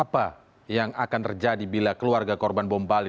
apa yang akan terjadi bila keluarga korban bom bali